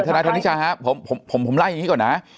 ธนายธนิชชาฮะผมผมผมผมไล่อย่างงี้ก่อนนะฮะ